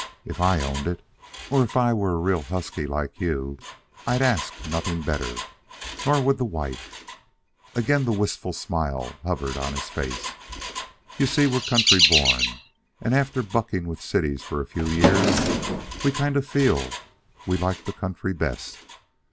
If I owned it, or if I were a real husky like you, I'd ask nothing better. Nor would the wife." Again the wistful smile hovered on his face. "You see, we're country born, and after bucking with cities for a few years, we kind of feel we like the country best.